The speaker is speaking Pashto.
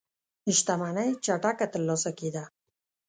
شتمنۍ چټکه ترلاسه کېده.